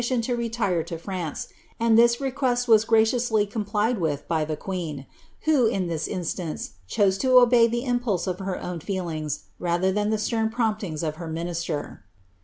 sic>n to retire to France, and this request was graciously complied with bv the queen,' who, in this instance, chose to obey the impulse of her oirn feelings rather than the stern promptings of her minister.